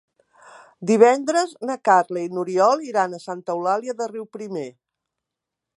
Divendres na Carla i n'Oriol iran a Santa Eulàlia de Riuprimer.